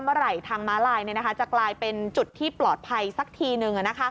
เมื่อไหร่ทางม้าลายจะกลายเป็นจุดที่ปลอดภัยสักทีนึง